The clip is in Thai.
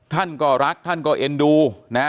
ท่านก็รักท่านก็เอ็นดูนะ